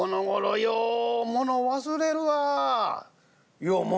「ようもの忘れんの？」。